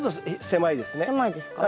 狭いですか？